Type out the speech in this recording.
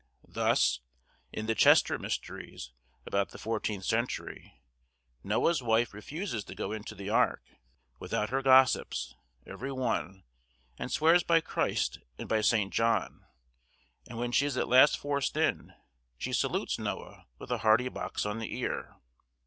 Thus, in the 'Chester Mysteries,' about the fourteenth century, Noah's wife refuses to go into the ark, without her gossips, every one, and swears by Christ and by Saint John; and when she is at last forced in, she salutes Noah with a hearty box on the ear.